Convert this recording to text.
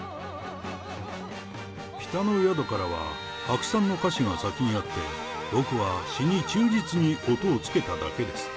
北の宿からは阿久さんの歌詞が先にあって、僕は詞に忠実に音をつけただけです。